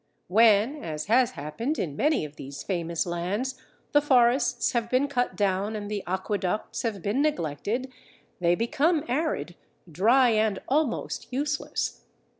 When, as has happened in many of these famous lands, the forests have been cut down and the aqueducts have been neglected, they become arid, dry, and almost useless.